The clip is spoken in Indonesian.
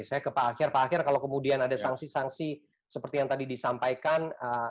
saya ke pak akhir pak akhir kalau kemudian ada sanksi sanksi seperti yang tadi disampaikan